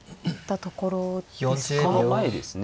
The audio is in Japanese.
その前ですね。